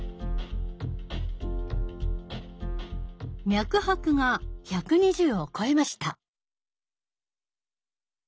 脈拍が１２０を超えました。